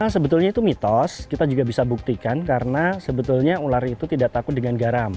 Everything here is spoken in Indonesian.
sebetulnya itu mitos kita juga bisa buktikan karena sebetulnya ular itu tidak takut dengan garam